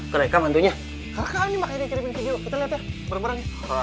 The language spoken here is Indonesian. kereka ini yang kirimin video